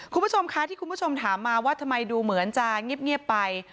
คุณผู้ชมคะที่คุณผู้ชมถามมาว่าทำไมดูเหมือนจะเงียบไป